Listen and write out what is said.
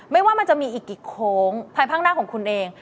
ว่ามันจะมีอีกกี่โค้งภายข้างหน้าของคุณเอง